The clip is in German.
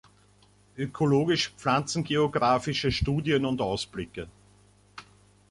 Ökologisch-pflanzengeographische Studien und Ausblicke.